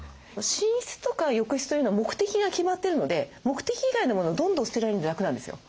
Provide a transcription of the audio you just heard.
寝室とか浴室というのは目的が決まってるので目的以外のモノをどんどん捨てられるんで楽なんですよ。